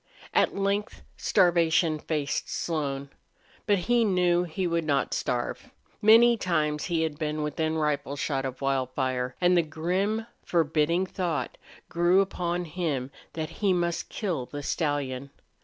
At length starvation faced Slone. But he knew he would not starve. Many times he had been within rifle shot of Wildfire. And the grim, forbidding thought grew upon him that he must kill the stallion.